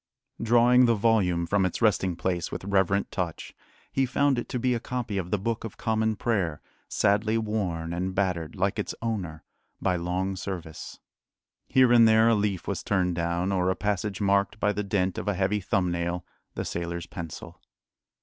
Drawing the volume from its resting place with reverent touch, he found it to be a copy of the Book of Common Prayer, sadly worn and battered, like its owner, by long service. Here and there a leaf was turned down, or a passage marked by the dent of a heavy thumb nail the sailor's pencil.